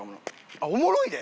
あっおもろいで！